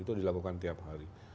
itu dilakukan tiap hari